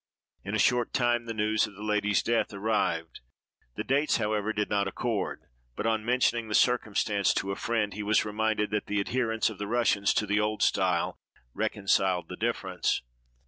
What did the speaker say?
In a short time the news of the lady's death arrived. The dates, however, did not accord; but, on mentioning the circumstance to a friend, he was reminded that the adherence of the Russians to the old style reconciled the difference.